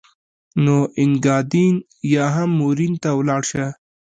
نو اینګادین یا هم مورین ته ولاړ شه.